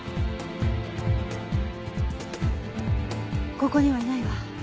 ここにはいないわ。